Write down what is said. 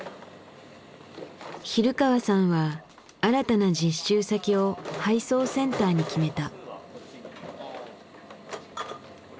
比留川さんは新たな実習先を配送センターに決めた。